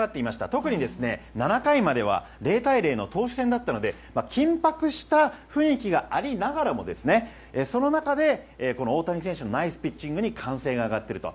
特に、７回までは０対０の投手戦だったので緊迫した雰囲気がありながらもその中で大谷選手のナイスピッチングに歓声が上がっていると。